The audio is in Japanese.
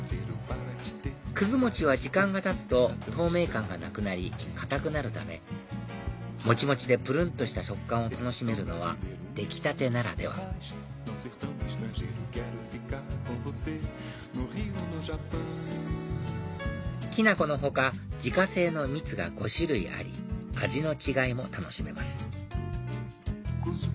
もちは時間がたつと透明感がなくなり硬くなるためもちもちでぷるん！とした食感を楽しめるのは出来たてならではきな粉の他自家製の蜜が５種類あり味の違いも楽しめます